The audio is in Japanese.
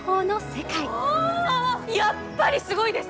やっぱりすごいです！